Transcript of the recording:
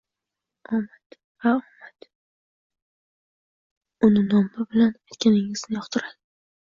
Omad - Ha, omad uni nomi bilan aytganingizni yoqtiradi